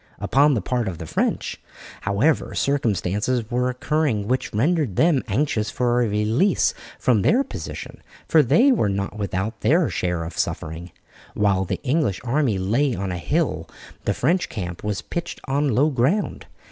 Upon the part of the French, however, circumstances were occurring which rendered them anxious for a release from their position, for they were not without their share of suffering. While the English army lay on a hill the French camp was pitched on low ground.